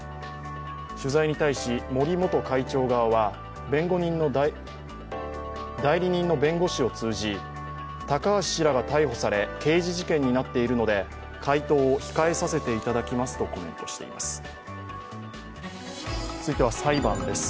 取材に対し、森本会長側は代理人の弁護士を通じ高橋氏らが逮捕され刑事事件になっているので回答を控えさせていただきますとコメントしています。